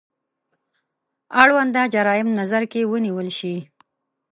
اړونده جرايم نظر کې ونیول شي.